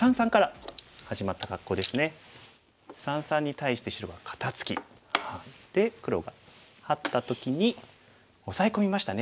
三々に対して白が肩ツキがあって黒がハッた時にオサエ込みましたね。